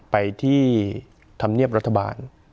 ไปที่ทำเงียบรัฐบาล